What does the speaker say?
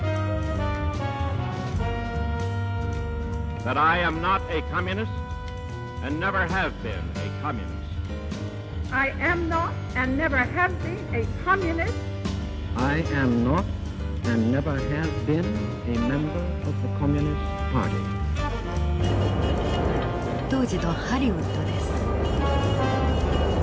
当時のハリウッドです。